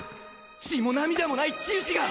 ・血も涙もない治癒士が！